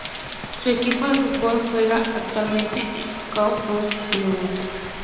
Su equipo de fútbol juega actualmente en la Qatar Stars League.